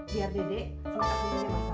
biar dek selesaikan masakan ya